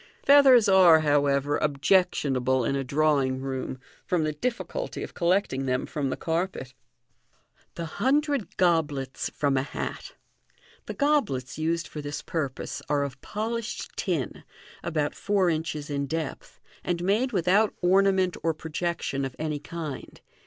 Feathers are, however, objectionable in a drawing room, from the difficulty of collecting them from the carpet. The " Hundred Goblets " from a Hat. — The goblets used for this purpose are of polished tin, about four inches in depth, and made without ornament or projection of any kind.